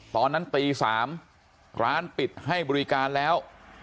ตอนนั้นตี๓ร้านปิดให้บริการแล้ว